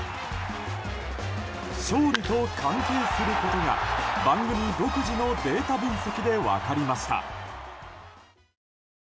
勝利と関係することが番組独自のデータ分析で分かりました。